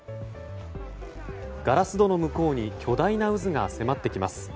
ガラス戸の向こうに巨大な渦が迫ってきます。